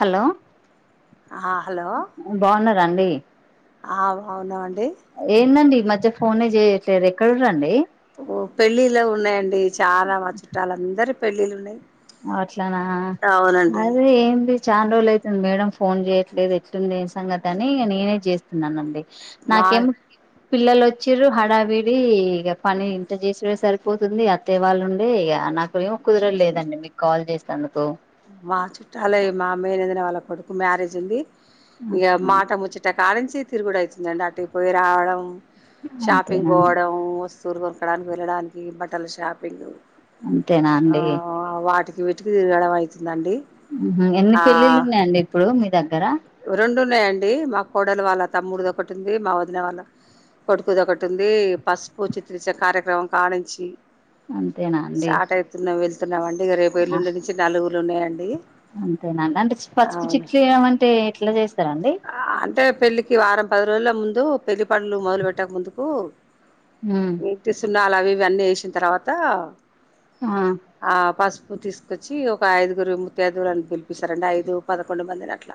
Hello ఆ hello బా ఉన్నరా అండీ ఆ బావున్నాం అండి ఏందండి ఈ మధ్య ఫోనే జేయట్లేదు ఎక్కరుర్రండీ ఓ పెళ్ళిళ్ళ ఉన్నాయండి చాలా మా చుట్టాలు అందరి పెళ్ళిళ్ళు ఉన్నయ్ అట్లనా అదే ఏంది చాన్ రోల్లు అయితుంది మేడం ఫోన్ జేయట్లేదు ఎట్టుందేస్ సంగతి అని నేనే జేస్తున్నానండి మా నాకేం పిల్లలు వచ్చిరు హడావిడి ఇగ పని ఇంట జేసిరేసారు పోతుంది అత్తే వాళ్ళు ఉండి ఇగ నాకు ఏం కుదరలేదండి మీకు కాల్ చేస్తేందుకు మా చుట్టాలే మా మేనేజెర్ వాళ్ళ కొడుకు మ్యారేజ్ ఉంది ఇగ మాట ముచ్చ ఇట్టకాలంచి తిరుగుడు అయితుందండి అటుకి పోయి రావడం షాపింగ్ అంతేనా పోవడం సూరు కొనకడానికి వెళ్ళడానికి బట్టల షాపింగ్ అంతేనా అండి ఆ వాటికి వెటికి తిరగడం అయితుందండి ఉహు ఎన్ని పెళ్ళిళ్లు ఉన్నాయండి ఇప్పుడు మీ దగ్గర రెండు ఉన్నాయండి మా కోడలు వాళ్ళ తమ్ముడుది ఒకటి ఉంది మా వదిన వాళ్ళ కొడుకుదొ ఒకటి ఉంది పసుపు చిత్రీచ కార్యక్రమం కానుంచి అంతేనా అండి స్టార్ట్ అయితున్నాం వెళ్తున్నాం అండి ఇగ రేపు ఏళ్లుండి నుంచి నలుగులు ఉన్నాయండి అంతేనండి అంటే పసుపు అవును చిట్లు ఇయడం అంటే ఎట్లా చేస్తరండి అంటే పెళ్లికి వారం పది రోజుల ముందు పెళ్లి పండ్లు మొదలు పెట్టక ముందుకు ఉ ఈ సున్నాలు అవి ఇవి అన్నీ వేసిన తర్వాత ఆ ఆ పసుపు తీసుకొచ్చి ఒక ఐదుగురి ముత్యదుగురుని పిలిపిస్తారండి ఐదు పదకొండు మందిని అట్ల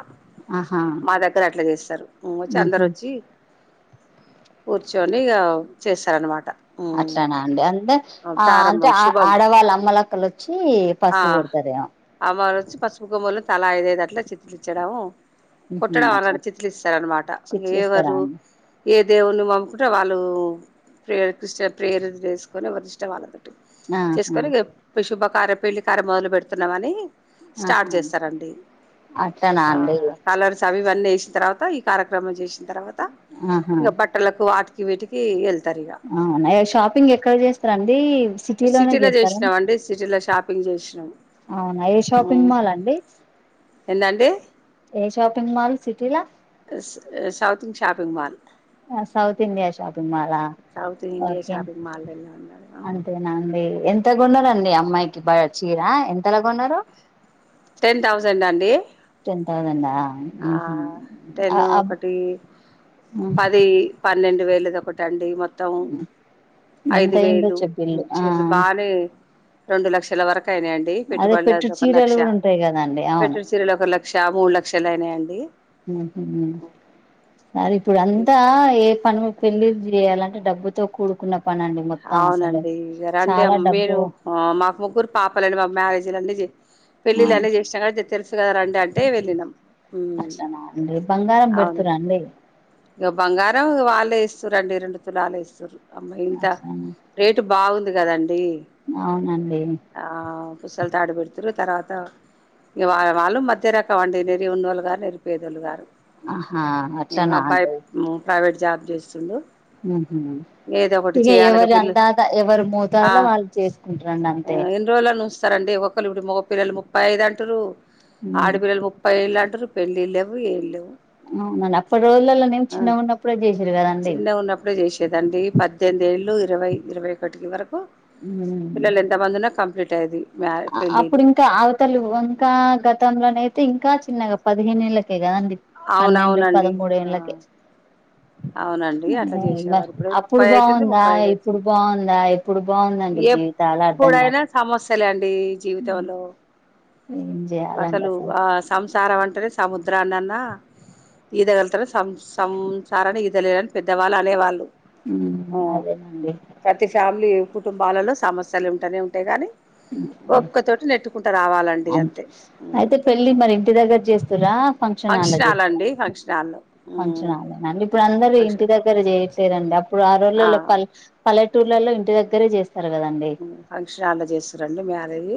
ఆహా మా దగ్గర అట్ల చేస్తరు వచ్చి అందరు ఉహు వచ్చి కూర్చొని ఇగ చేస్తారనమాట అట్లన అండి అంతె ఆ అంటే ప్రారంభం ఆ శుభం ఆడవాళ్ళ అమ్మలక్కలొచ్చి పసుపు కొడతారేమో అమ్మళ్ళు వచ్చి పసుపు కొమ్మని తలా ఐదు ఐదు అట్లా చిట్లిచ్చడము ఉహు కొట్టడం అట్లా అళని చిట్లిస్తారనమాట చిట్లు ఇస్తారా ఎవరు అండి ఏ దేవుణ్ని పమ్ముకుంటే వాళ్ళు ప్రేయ క్రిస్టియ ప్రేయర్ చేసుకుని వరి ఇష్టం వాళ్ళ ఆహా చేసుకొని శుభకార పెళ్లి కార మొదలు పెడుతున్నామని స్టార్ట్ ఆహా చేస్తారండి అట్లనా ఆ అండి కలర్స్ ఇవన్నీ వేసిన తర్వాత ఈ కార్యక్రమం చేసిన తర్వాత ఆహా ఇం బ ట్టలకు వాటికి వీటికి వెళ్తారు ఇగ అవున షాపింగ్ ఎక్కడ చేస్తారండి సిటీలోనే సిటీలో చేస్తారా చేసినాం అండి సిటీలో షాపింగ్ జేసినాం అవునా ఏ షాపింగ్ మాల్ అండి ఎంటండి ఏ షాపింగ్ మాల్ సిటీల సౌతింగ్ shopping mall south India shopping మాల సౌత్ ఇండియా షాపింగ్ మాల్ ఎలా ఉన్నారు అంతేనా అండి ఎంతగొన్నారు అండి అమ్మాయికి చీర ఎంతలగా కొన్నారు టెన్ థౌజండ్ అండి టెన్ తౌసండ్ ఆ ఆ ఉహు ఆ టెన్ అబ్ ఒకటి పది పన్నెండు వేలుది ఒకటండి మొత్తం ఎంత ఐదు వేలు అయిండొచ్చు బిల్లు ఆ ఇచ్చిర్రు బానే రెండు లక్షల వరకు అయినాయండి అదే పెట్టుబడులే పెట్టు ఒక చీరలు లక్ష కూడా ఉంటాయి కదండి పెట్ అవును సిరులు ఒక లక్ష మూడు లక్షలు అయినా అండి ఉహు సరే ఇప్పుడు అంతా ఏ పను పెళ్లిచేయాలంటే డబ్బుతో కూడుకున్న పని అండి మొత్తం అవును అసలు అండి ఇగ రండి చాలా మీరు డబ్బు ఆ మాకు ముగ్గురు పాపలండి మా మ్యారేజీలన్నీ జే ఆ పెళ్లిళ్లు అన్ని చేసినాం కద తెలుసు కదా రండి అంటే వెళ్ళినాం అక్షనా అండి బంగారం అవునండి పెడుతురా అండి ఇక బంగారం వాళ్లే ఇస్తారుండి రెండు తులాలు ఇస్తూరు అమ్మాయి ఇంత అట్లనా రేట్ బాగుంది కదా అండి అవునండి ఆ పుస్తల తాడు పెడుతురు తర్వాత ఇ వా వాళ్ళు మధ్య రకం అండి నేరి ఉన్నళ్ళు గారు నేరి పేదోళ్ళు గారు ఆహా అట్లా నా అండి ము ప్రైవేట్ జాబ్ చేస్తుండు ఉహు ఏదో ఒకటి ఇక చేయాలిగా ఎవరు పిల్ల ఆన్ దద్తా ఎవరు మోతాదులో వాళ్ళు చేసుకుంటారు అండి అంతే రోలను సునారండి ఒక్కళ్ళు మొపిల్లు ముప్పై ఐదు అంటారు ఆడపిల్లలు ముప్ ఫైళ్లు అంటారు పెళ్ళు లేవు ఏం లేవు ఉ నున్ అప్పటి రోజులలో నే చిన్నగా ఉన్నప్పుడే చేసిర్ కదా అండి ఇప్పుడే చేసిర్ అండి పద్దెనిమిది ఏళ్ళు ఇరవై ఇరవై ఒక్కటి వరకు ఉ తమందన కంప్లీట్ అయ్యేది మ్యారే అఅ పెళ్ళిళ్ళు అప్పుడు కా అవతిలువు వుంకా గతం లో నైతే ఇంకా చిన్నగా పదిహేనేళ్ళకే కధ అండి పన్నెండు పద అవునవునండి మూడు ఆ ఏళ్లకే అవునండి అట్లా నే మరి చేసేవారు ఇప్పుడు అప్పుడు ముప్పై అయితుంది బాగుందా ముప్పై ఐదు ఇప్పుడు అయితుంది బాగుందా ఇప్పుడు బాగుందండి జీవితాలు అర్థం కా కమస్యలే అండి జీవితంలో ఏం చేయాలండి అసలు ఆ సంసారం అంటేనే సముద్రానన్నా ఈద గలతారు సం సం సంసారాన్ని ఈదలేరని పెద్దవాళ్లు అనేవాళ్ళు ఉ అదే నండి తి ఫ్యామిలీ కుటుంబాలలో సమస్యలు ఉంటానే ఉంటాయి గాని ఒక్కతోటి నెట్టుకుంటా రావాలండి అంతే అయితే ఉమ్. పెళ్ళి మరి ఇంటి దగ్గర చేస్తురా హాల్లో ఫంక్షన్ హాల్ చేస్తారా అండి ఫంక్షన్ హాల్లో ఫంక్షన్ ఉమ్. హాల్ లోనా అండి ఇప్పుడు అందరు ఇంటి ఫంక్షన్ దగ్గర చేయట్లేదండి అప్పుడు ఆ రోజుల్లో పల్ పల్లెటూర్లలో ఇంటి దగ్గరే చేస్ తర్ కదా అండి ఉహ్ ఫంక్షన్ హాల్లో చేస్తారండి మ్యారేజ్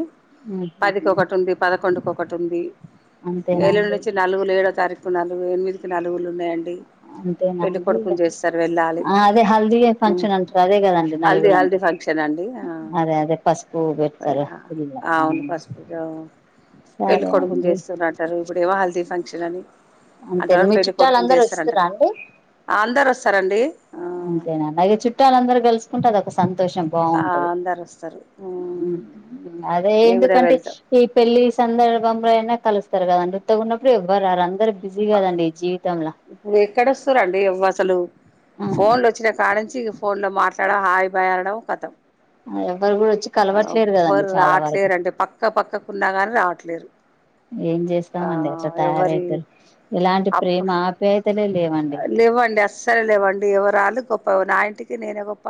పదికి ఒక్కటి ఉంది పదకొండు ఒక్ తుంది అంతేనా ఏళ్ల అండి నుంచి నలుగులు ఏడ తారీకు నలుగు ఎనిమిదికి నలుగులు ఉన్నాయండి అంతేనా పెళ్ళి అండి ఇగ కొడుకుని చేస్తారు వెళ్ళాలి ఆ అదే హల్దీ ఉ ఫంక్షన్ అంటారు అదే కదండి హల్ది నలుగులు హల్ది అంటే పన్ క్షన్ అండి అదే అదే పసుపు పెడతారు పెళ్లిళ్లలో అ అవును పసుపు సారే అండి పునా అంటారు ఇప్పుడేమో హల్దీ ఫంక్షన్ అని అంతేనా అంటారు మీ పెళ్లి కొడుకుని చుట్టాలందరూ చేస్తారంట వస్తుర్రా అండి అందరు వస్తారండి అంతేనా అ అలాగే చుట్టాల అందరు గలుసుకుంటె అదొక సంతోషం బాగుంటది అందరు వస్తారు అదే మేము కూడా ఎందుకంటే వెళ్తా ఈ పెళ్ళలి సందర్భం అయినా కలుస్తారు కదా ఉత్తగ ఉన్నప్పుడు ఎవ్వరు రారు అందరు బిజీ కదండి జీవితంలో ఇప్పుడు ఎక్కడ వస్తారండి అసలు ఫోన్లు వచ్చినా కాణ్ను నుంచి ఫోన్ లో మాట్లాడ హాయ్ భాయ్ అనడం కతం ఎవ్వరు కూడా వచ్చి కలవట్లేరు కదండి ఎవ్వరు చాలా వరకు రావట్లేరుంటే పక్క పక్కకున్నా కానీ రావట్లేరు ఏం ఆ చేస్తామండి అట్లా ఎవరి తయారవుతారు ఇలాంటి అప్పు ప్రేమ ఆప్యాయతలే లేవండి లేవండి అస్ సరేలేవండి ఎవరురాళ గొప్పవ నా ఇంటికి నేనే గొప్ప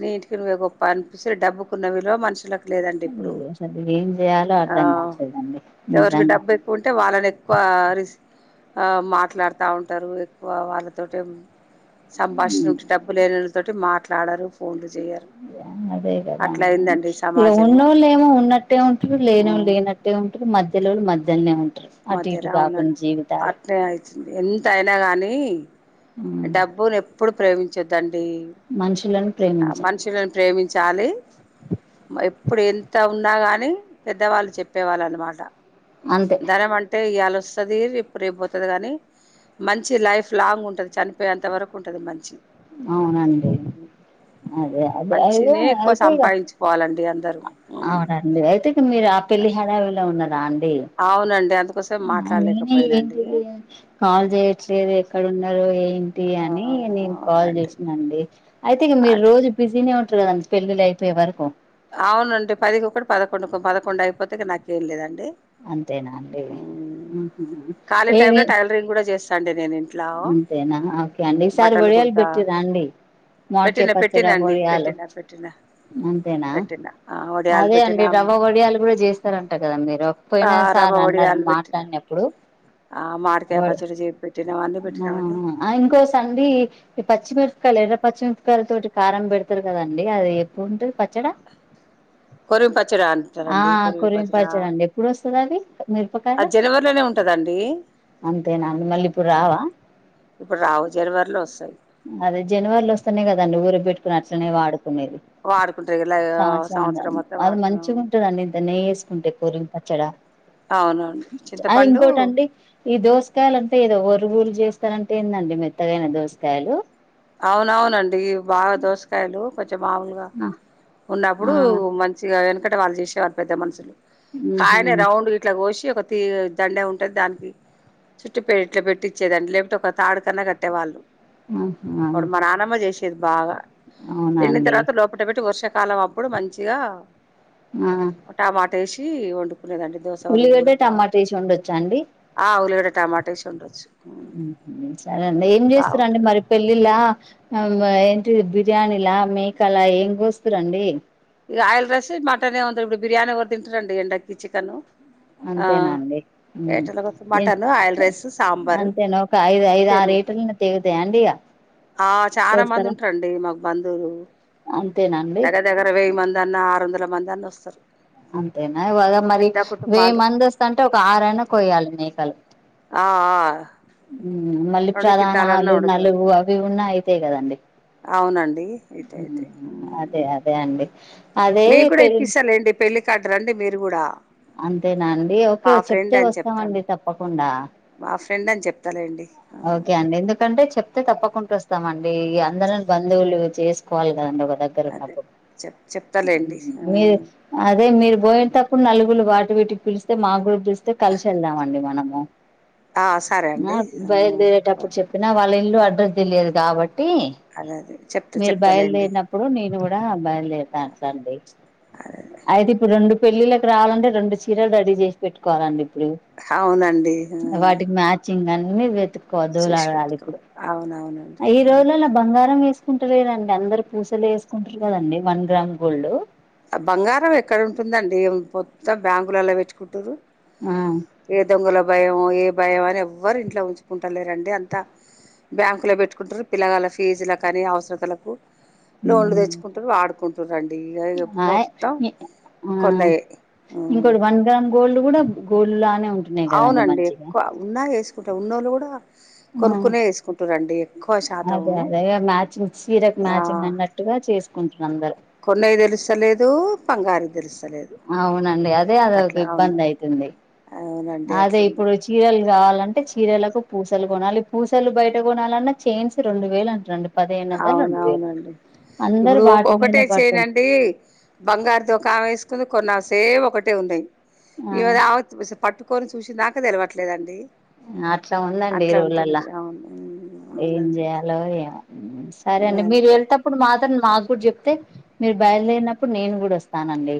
నీ ఇంటికి నువ్వే గొప్ప అనిపిస్తే డబ్బుకున్నవి విలోవ మనుషులకు లేదండి ఇప్పుడు అసలు ఏం చేయాలో ఆ అర్థం కావట్లేదండి ఎవరికి నిజంగా డెబ్బై ఉంటే వాళ్ళని ఎక్కువ రిస్ ఆ మాట్లాడుతా ఉంటారు ఎక్కువ వాళ్ళతోటే సంభాషణ ఇ డబ్బు లేన తోటి మాట్లాడారు ఫోన్లు చేయరు అదే కదా అట్లా అ అయిందండి ఇక సమాజము ఉన్నోళ్ళు ఏమో ఉన్నట్ అట్టే ఉంటారు లేని వాళ్ళు లేనట్టే ఉంటారు మధ్యలో వాళ్ళు మధ్యలోనే ఉంటారు అటు మధ్య ఇటు రా అవునండి కాకుండా జీవితాలు పట్నే అవుతుంది ఎంత అయినా కానీ డబ్బుని ఎప్పుడు ప్రేమించద్దండి మనుషులను ఆ ప్రేమించాలి మనుషుల ప్రేమించాలి ఎప్పుడు ఎంత ఉన్నా కానీ పెద్దవాళ్ళు చెప్పేవాళ్ళ అన్నమాట అంతే ధనం అంటే ఇయాల వస్తుంది రేప్పు రేపుపోతుంది కాని మంచి లైఫ్ లాంగ్ ఉంటుంది చనిపోయేంత వరకు ఉంటది మంచి అవునండి అదే అదే మంచినే అ ఎక్కువ అయితే ఈగ సంపాదించుకోవాలండి అందరూ అవున అయితే మీరు ఆ పెళ్లి హడావిలో ఉన్నారా అండి అవునండి అందుకోసం ఆ ననే మాట్లాడలేకపోయినండి ఎన్టిది కాల్ చేయట్లేదు ఎక్కడ ఉన్నారో ఏంటి ఆ అని నేను కాల్ అవునండి చేసినండి అయితే ఇక మీరు అట్ రోజు బిజీనే ఉంటారు కదండి పెళ్ళిళ్ళి అయిపోయే వరకు అవునండి పదికొక్కటి పదకొండు పదకొండు అయిపోతే నాకేం లేదండి అంతేనా అండి ఊహు ఏవి మీరు కూడా చేస్ సండే నేడి అంతేనా ఓకే అండి ఈ సారి ఒడియాల్ కుడతా బట్టరా అండి మోడ్కె పెట్టిన పచ్చడా పెట్టినండి ఒడియాలు పెట్టినా పెట్టినా అంతేనా పెట్టినా ఆ వడియాలు అదే అండి పెట్టినా రవ్వ వడియాలు కూడా చేస్తారంటారు కదా మీరు ఆ పోయినా రవ్వ సార్ అన్నారు వడియాలు పెట్టినా మాట్లాడిన ఎప్పుడు ఆ మామిడికాయ పచ్చడి చే పెట్టినామడి పెట్టినామండి ఆ ఇంకోస అండి ఈ పచ్చిమిరపకాయలు ఎర్ర పచ్చిమిరపకాయల తోటి కారం పెడతారు కదండి అది ఎప్పుడు ఉంటంది పచ్చడా కొరిమిపచ్చడా ఆ అంటారండి కొరివి కొరిమిపచ్చడా పచ్చడి అండి ఎప్పుడు వస్తది అది అది జనవరిలోనే ఉన్ ఉంటదండి అంతే న మళీ ప ఆ ఇప్పుడు రావు జరివరలో వస్తాయి అదే జనవరిలో వస్తన్నాయి కదండి ఊరికి పెట్టుకుని అట్లనే వాడు కునేది వాడుకుంటారు ఇలా సంవత్సరమంతా సంవత్సరం మొత్తం అది వాడుకున్నాం మంచిగా ఉంటదండి ఇంత నెయ్యి ఏ కుంటే కూరిం పచ్చడా అవునండి ఆ చింతపండు ఇంకోటండి ఈ దోసకాయలు అంత ఏదో వొరు బురు చేస్తారంటా ఏందండి మెత్తగైన దోసకాయలు అవునవునండి బాగా దోసకాయలు కొంచం మామూలుగా అ ఉన్నప్పుడు మంచిగా ఎనుకటి వాళ్ళు చేసేవారు పెద్ద మనుషులు ఉహు ఆయనే రౌండ్ ఇట్లా కోసి ఒక తీ దండే ఉంటది దానికి చుట్టు పె ఇట్లా పెట్టి ఇచ్చేదాని లేక్పోతే ఒక తాడు కన్నా కట్టేవాళ్ళు ఆహా అప్పుడు మా నానమ్మ చేసేది బాగా అవునా ఎండిన అండి తర్వాత లోపల పెట్టి వర్ష కాలం అప్పుడు మంచిగా ఆ టమాటా ఎసి వండుకునేదండి దో ఉల్లిగడ్డ టమాటా ఏసి వండొచ్చా అండి ఆ ఉల్లిగడ్డ టమాటా వేసి వండొచ్చు మ్మ్ఉమ్మ్ సరే అండి ఏం చేస్తారు అండి బాగుంటది మరి పెళ్ళిలా ఆ ఏంటిది బిర్యానీలా మేకాల ఏం కోస్తురండి ఇగ ఆయిల్ రస్సు మటనే ఉంది ఇప్పుడు బిర్యానీ ఎవరు తింటరండి ఎండకి చికెను అంతేనాండి ఉమ్మ్ కోసం ఎ మటన్ ఆయిల్ రైస్ సాంబారు అంతేనా ఒక ఐదు ఐదు ఆరు పెరుగు ఎటల్ను తెగుతాయండి ఇగ ఆ చానా మంది కోస్తారా ఉంటారండి మాకు బంధువులు అంతేనా అండి దగ్గర దగ్గ ర వేయి మందన్న ఆరు వందల మందన్న వస్తారు అంతేనా అగో మరి పెద్ద వెయ్యి కుటుంబాలు మంది వస్తుంటే ఒక ఆరైనా కోయాలి మేకలు ఆఆ మళ్ళీ చలానాలు నలుగు అవి ఉన్నా అయితాయి కదండీ అవునండి అయితే ఉమ్ అయితే అదే అదే అండి అదే మీక్కూడా పెళ్ ఇప్పిస్తాలెండి పెళ్లి కార్డు రండి మీరు కూడా అంతేనా అండి ఓకే మా ఫ్రెండ్ చెప్తే అని చెప్తాను వస్తామండి తప్పకుండా మా ఫ్రెండ్ అని చెప్తాలేండి ఆ, ఓకే అండి ఎందుకంటే చెప్తే తప్పకుంటా వస్తామండి అందరం చెప్ బంధువులు చేసుకోవాలి కదండి ఒక ద అదే గ్గరున్నప్పుడు చెప్ చెప్తాలేండి ఆ, మీరు అదే మీరు పోయేటప్పుడు నలుగులు వాటి వీటికి పిలిస్తే మాక్కూడా పిలి స్తే కలిసి ఎళ్దామండి మనము ఆ, సరే ఆ అండి బయలుదేే రేటప్పుడు వద్- చెప్పినా వాళ్ళ ఇల్లు అడ్రస్ తెలియదు కాబట్టి అదే అదే చెప్తా మీరు చెప్తాలేండి బయలుదేరిన ప్పుడు నేను కూడా బయలుదేరుతా అట్లండి అయితే ఇప్పుడు రెండు పెళ్ళిళ్ళకు రావాలంటే రెండు చీరలు రెడీ చేసి పెట్టుకోవాలండి ఇప్పుడు అవునండి ఆ, వాటికి మ్యాచింగ్ అని వెతు చూసిపెట్టుకోవాలి అవునవునండి ఈ ఉమ్ రోజులలో బంగారం ఎసుకుంటలేదండి అందరు పూసలే ఏసుకుంటుర్రు కదండి వన్ గ్రామ్ గోల్డ్ ఆ బంగారం ఎక్కడ ఉంటుందండి మొత్తం బ్యాంకులలో పెట్టుకుంటుర్రు ఆ ఏ దొంగల భయమో ఏ భయం అని ఎవ్వరు ఇంట్లో ఉంచుకుంటలేరండి అంతా బ్యాంకులో పెట్టుకుంటారు పిల్లగాల ఫీజుల కానీ అవసరతులకు లోన్లు తెచ్చుకుంటారు వాడుకుంటురండి ఇగ ఇగ ఆయ్ మొత్తం ఆ కొన్నయే ఇంకోటి వన్ గ్రామ్ గోల్డ్ కూడా గోల్డ్ లానే ఉం అవునండి ఎక్కువ ఉన్నా వేసుకుంట ఉన్నోళ్ళు కూడా ఆ కొనుక్కునే వేసుకుంటారండి ఎక్కువ అదే శాతము అదే ఇగ మ్యాచింగ్ సీరక్ ఆ మ్యాచింగ్ అన్నట్టు టుగా చేసుకుంటున్నా అందరు కొన్నయ తెలుసలేదు బంగారు తెలుసలేదు అవునండి అదే అదొక ఇబ్బంది అయితుంది అవునండి అదే అట్లుంది ఇప్పుడు చీరలు కావాలంటే చీరలకు పూసలు కొనాలి పూసలు బయట కొనాలన్నా చైన్స్ రెండు వేలు అంట రండి అవునవునండి అందరు ఇప్పుడు ఒక వాటి ఒకటే మీదనే పడుతుం చెనండి బంగారు దుకాం వేసుకుంది కొన్నాసేపు ఒకటే ఉన్నాయి ఆ ఈధ [unintelligible] పట్టుకొని చూసిందాక తెలివట్లేదండి అట్లా ఉందండి ఈ రోజులల్ల ఉమ్, ఏం అవునండి చేయాలో ఏమో సరే ఏ, అండి మీరు అంతే వెళ్తా ఇప్పుడు మాత్రం మాకు కూడా చెప్తే మీరు బయలుదేరినప్పుడు నేను కూడా వస్తానండి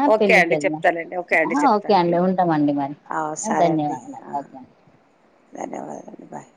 ఆ ఓకే పెళ్ళికి అండి వెళ్ళదాము చెప్తాలేండి ఓకే అండి ఆ ఓకే చెప్తాండి అండి ఉంటామండి మరి ఆ ధన్యవాదాలు ఓకే ధన్యవాదాలు బాయ్